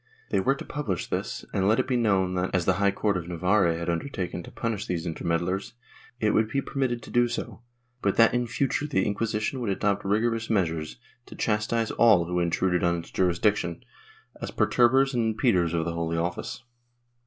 They were to publish this and let it be known that, as the High Court of Navarre had undertaken to punish these intermeddlers, it would be permitted to do so, but that in future the Inquisition would adopt rigorous measures to chastise all who intruded on its jurisdiction, as perturbers and impeders of the Holy Office.